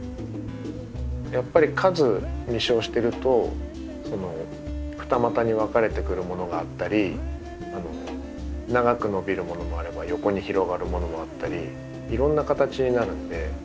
やっぱり数実生してると二股に分かれてくるものがあったり長く伸びるものもあれば横に広がるものもあったりいろんな形になるんで。